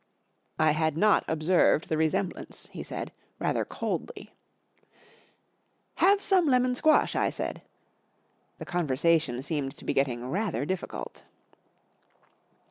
44 I had not observed the resemblance," he said, rather coldly. 41 Have some lemon squash," I said. The conversation seemed to be getting rather difficult.